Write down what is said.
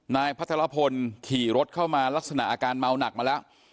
นายพัทรพลขี่รถเข้ามาลักษณะอาการเมาหนักมาแล้ว